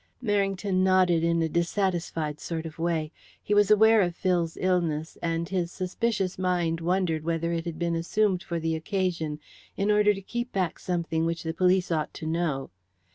Merrington nodded in a dissatisfied sort of way. He was aware of Phil's illness, and his suspicious mind wondered whether it had been assumed for the occasion in order to keep back something which the police ought to know.